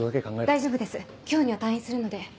大丈夫です今日には退院するので。